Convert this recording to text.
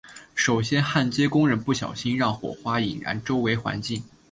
首先焊接工人不小心让火花引燃周围环境。